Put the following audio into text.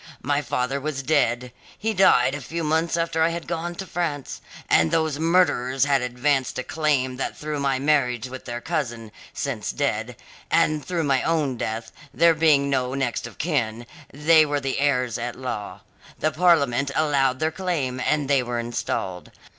My father was dead; he died a few months after I had gone to France; and those murderers had advanced a claim that through my marriage with their cousin, since dead, and through my own death, there being no next of kin, they were the heirs at law. The Parliament allowed their claim, and they were installed.